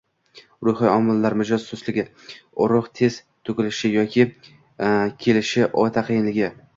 Ruhiy omillar: mijoz sustligi, urug‘ tez to‘kilishi yoki kelishi o‘ta qiyinligi.